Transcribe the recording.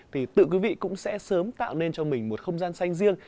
thì tự quý vị cũng sẽ sớm tạo nên cho mình một không gian xanh riêng